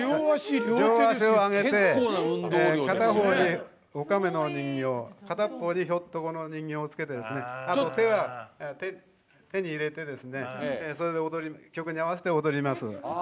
片方におかめの人形かたっぽにひょっとこの人形をつけて手を入れて曲に合わせて踊ります。